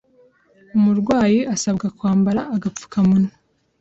umurwayi asabwa kwambara agapfukamunwa.